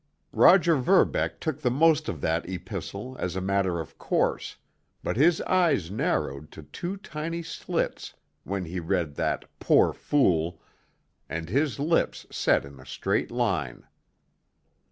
Roger Verbeck took the most of that epistle as a matter of course, but his eyes narrowed to two tiny slits when he read that "poor fool," and his lips set in a straight line.